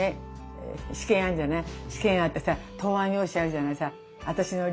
試験あってさ答案用紙あるじゃないさ。